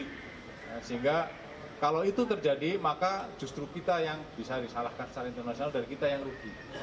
sehingga kalau itu terjadi maka justru kita yang bisa disalahkan secara internasional dan kita yang rugi